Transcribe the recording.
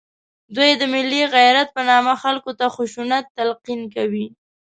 دوی د ملي غیرت په نامه خلکو ته خشونت تلقین کوي